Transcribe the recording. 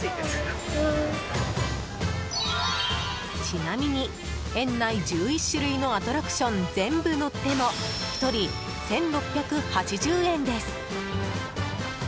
ちなみに園内１１種類のアトラクション全部乗っても１人１６８０円です。